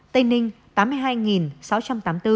tây ninh tám mươi hai sáu trăm tám mươi bốn